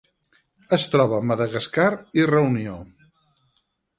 Es troba a Madagascar i Reunió.